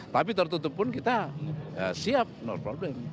tapi tertutup pun kita siap nor problem